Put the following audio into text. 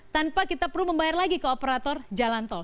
tanpa kita perlu membayar lagi ke operator jalan tol